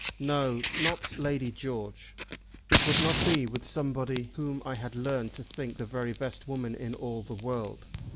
"No; not Lady George. It would not be with somebody whom I had learned to think the very best woman in all the world.